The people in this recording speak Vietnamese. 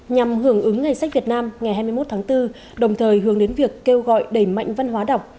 nhằm hưởng ứng ngày sách việt nam ngày hai mươi một tháng bốn đồng thời hướng đến việc kêu gọi đẩy mạnh văn hóa đọc